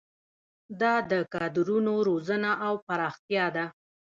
دا د کادرونو روزنه او پراختیا ده.